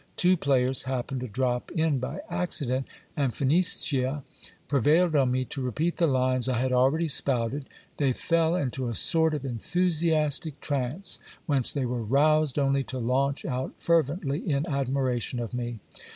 Two players happened to drop in by accident, and Phenicia prevailed on me to repeat the lines I had already spouted ; they fell into a sort of enthusiastic trance, whence they were roused only to launch out fervently in admiration of me.